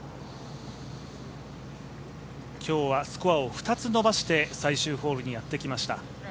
今日はスコアを２つ伸ばして最終ホールにやってきました。